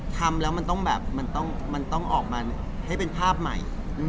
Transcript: ทำแล้วมันต้องมาให้เป็นภาพใหม่